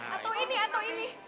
atau ini atau ini